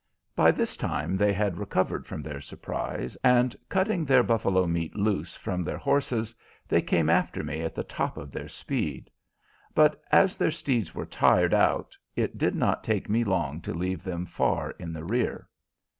By this time they had recovered from their surprise, and cutting their buffalo meat loose from their horses, they came after me at the top of their speed; but as their steeds were tired out, it did not take me long to leave them far in the rear.